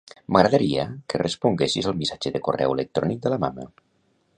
M'agradaria que responguessis al missatge de correu electrònic de la mama.